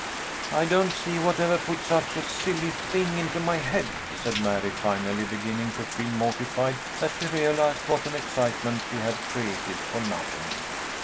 "I don't see what ever put such a silly thing into my head," said Mary, finally, beginning to feel mortified as she realized what an excitement she had created for nothing.